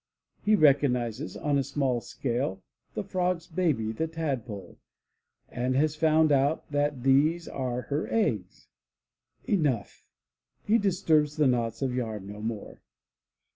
He recognizes, on a small scale, the Frog's baby, the Tadpole, and has found out that these are her eggs. Enough ! he disturbs the knots of yarn no more.